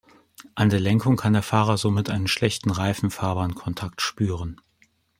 An der Lenkung kann der Fahrer somit einen schlechteren Reifen-Fahrbahn-Kontakt spüren.